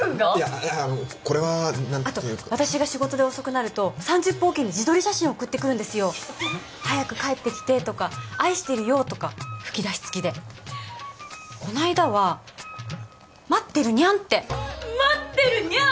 いやこれは何ていうかあと私が仕事で遅くなると３０分おきに自撮り写真送ってくるんですよ「早く帰ってきて」とか「愛してるよ」とか吹き出し付きでこの間は「待ってるニャン」って待ってるニャン！？